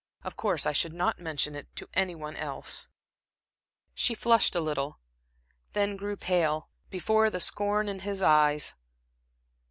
Of course I should not mention it to any one else." She flushed a little, then grew pale, before the scorn in his eyes.